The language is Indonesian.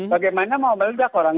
bagaimana mau meledak orang